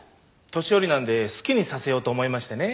年寄りなんで好きにさせようと思いましてね。